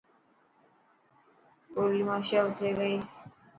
ٻولي مشور ٿي گئي.